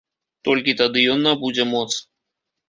Толькі тады ён набудзе моц.